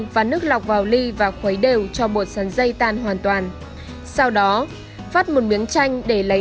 và nước lọc vào ly và khuấy đều cho bột sáng dây tàn hoàn toàn sau đó phát một miếng chanh để lấy